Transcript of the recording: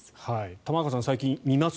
玉川さん、最近見ます？